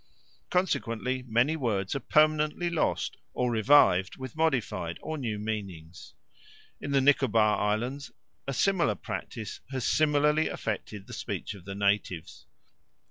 Consequently many words are permanently lost or revived with modified or new meanings. In the Nicobar Islands a similar practice has similarly affected the speech of the natives.